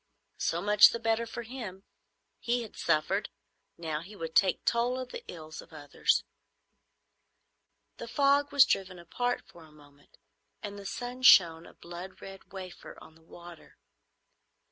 So much the better for him. He had suffered. Now he would take toll of the ills of others. The fog was driven apart for a moment, and the sun shone, a blood red wafer, on the water.